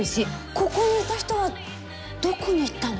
ここにいた人はどこに行ったの？